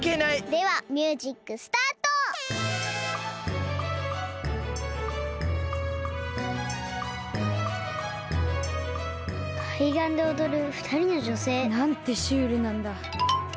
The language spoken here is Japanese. ではミュージックスタート！かいがんで踊るふたりのじょせい。なんてシュールなんだ。